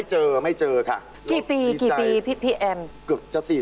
เจอแม่ไหมแล้วเจอแม่ไหม